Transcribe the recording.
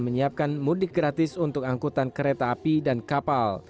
menyiapkan mudik gratis untuk angkutan kereta api dan kapal